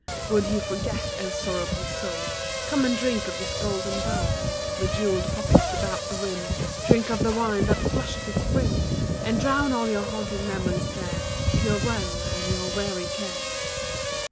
Would you forget, oh sorrowful soul, Come and drink of this golden bowl, With jewelled poppies about the rim, Drink of the wine that flushes its brim, And drown all your haunting memories there, Your woe and your weary care.